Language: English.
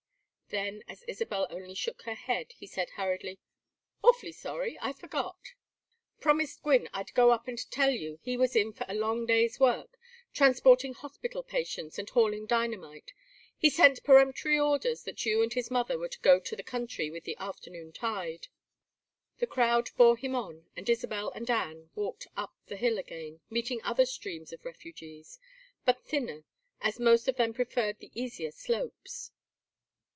Then as Isabel only shook her head he said, hurriedly: "Awfully sorry I forgot promised Gwynne I'd go up and tell you he was in for a long day's work transporting hospital patients and hauling dynamite. He sent peremptory orders that you and his mother were to go to the country with the afternoon tide." The crowd bore him on and Isabel and Anne walked up the hill again, meeting other streams of refugees, but thinner, as most of them preferred the easier slopes.